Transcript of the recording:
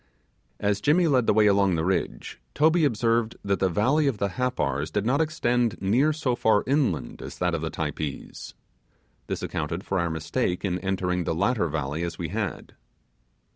As Jimmy led the way along the ridge, Toby observed that the valley of the Happars did not extend near so far inland as that of the Typees. This accounted for our mistake in entering the latter valley as we had.